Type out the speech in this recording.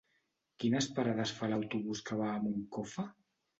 Quines parades fa l'autobús que va a Moncofa?